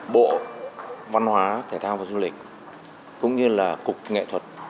bộ văn hóa thể thao và du lịch cũng như là cục nghệ thuật